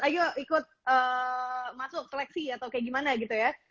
ayo ikut masuk seleksi atau kayak gimana gitu ya